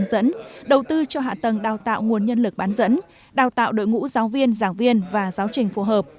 để đạt mục tiêu đào tạo năm mươi nhân lực bán dẫn đào tạo đội ngũ giáo viên giảng viên và giáo trình phù hợp